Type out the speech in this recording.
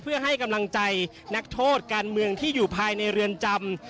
เพื่อให้กำลังใจนักโทษการเมืองที่อยู่ภายในเรือนจำ